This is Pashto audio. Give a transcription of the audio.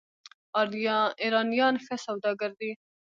ایرانیان ښه سوداګر دي.